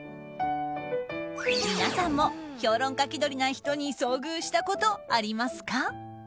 皆さんも評論家気取りな人に遭遇したことありますか？